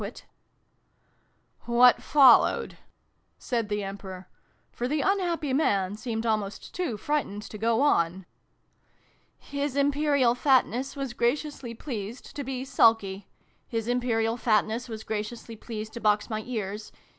xxiv] THE BEGGAR'S RETURN. 385 "What followed?" said the Emperor: for the unhappy man seemed almost too frightened to go on. " His Imperial Fatness was graciously pleased to be sulky. His Imperial Fatness was gra ciously pleased to box my ears.